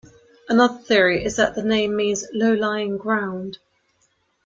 Another theory is that the name means "low-lying ground".